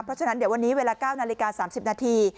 เพราะฉะนั้นเดี๋ยววันนี้เวลา๙นาฬิกา๓๐นาที